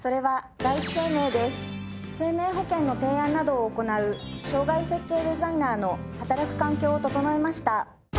生命保険の提案などを行う生涯設計デザイナーの働く環境を整えました。